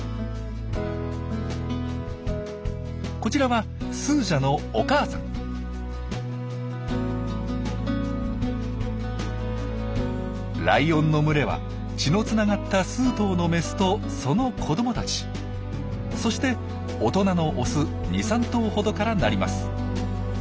こちらはスージャのライオンの群れは血のつながった数頭のメスとその子どもたちそして大人のオス２３頭ほどからなります。